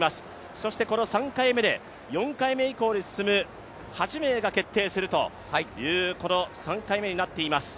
そしてこの３回目で４回目以降に進む８名が決定する３回目になっています。